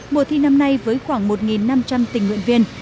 mùa thi năm nay với khoảng một năm trăm linh tình nguyện viên